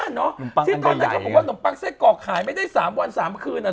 ที่ตอนแหน่งมันขายนมปังไส้กรอกไม่ใช่๓วัน๓คืน